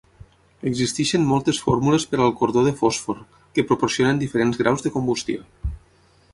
Existeixen moltes fórmules per al cordó de fòsfor, que proporcionen diferents graus de combustió.